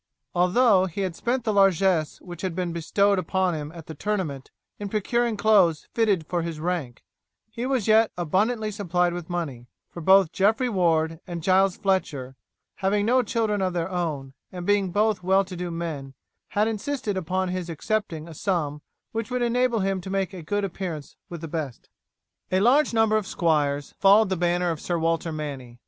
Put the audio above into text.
Although he had spent the largess which had been bestowed upon him at the tournament in procuring clothes fitted for his rank, he was yet abundantly supplied with money, for both Geoffrey Ward and Giles Fletcher, having no children of their own and being both well to do men, had insisted upon his accepting a sum which would enable him to make a good appearance with the best. A large number of squires followed the banner of Sir Walter Manny.